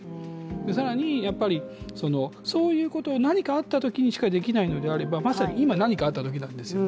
更にそういうことを、何かあったときにしかできないのであればまさに今が、何かあったときなんですよ。